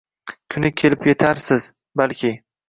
Kuni kelib yetarsiz, balki.